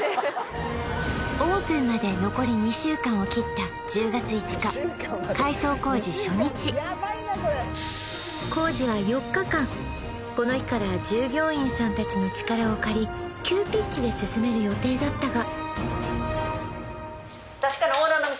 オープンまで残り２週間を切った１０月５日改装工事初日工事は４日間この日から従業員さん達の力を借り急ピッチで進める予定だったが・